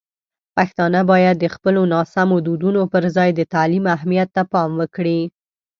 پښتانه باید د خپلو ناسمو دودونو پر ځای د تعلیم اهمیت ته پام وکړي.